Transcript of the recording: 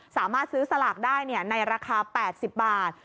สามารถซื้อสลากได้ในราคา๘๐บาท